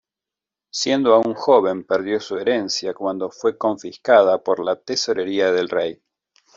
Siendo aún joven, perdió su herencia cuando fue confiscada por la tesorería del rey.